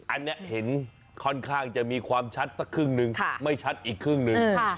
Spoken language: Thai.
อันนี้เห็นจะค่อนข้างมีความชัดก็คือหนึ่งไม่ชัดอีกคือหนึ่ง